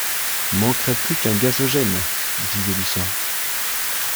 Manquerait plus qu’un gazogène, disait Lucien.